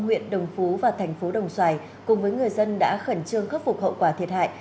huyện đồng phú và thành phố đồng xoài cùng với người dân đã khẩn trương khắc phục hậu quả thiệt hại